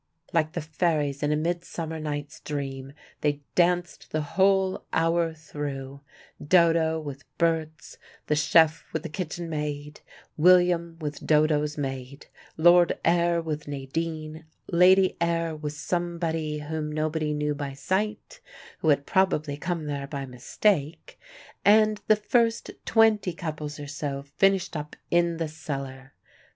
Like the fairies in a Midsummer night's Dream, they danced the whole hour through, Dodo with Berts, the chef with the kitchen maid, William with Dodo's maid, Lord Ayr with Nadine, Lady Ayr with somebody whom nobody knew by sight, who had probably come there by mistake, and the first twenty couples or so finished up in the cellar.